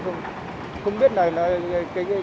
thì đấy chỉ biết là đây là một nhà máy xử lý nước thải